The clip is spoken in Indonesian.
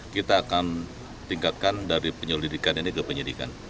kita akan tingkatkan dari penyelidikan ini ke penyidikan